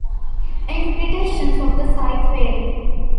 Interpretations of the site vary.